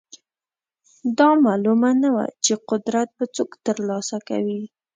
دا معلومه نه وه چې قدرت به څوک ترلاسه کوي.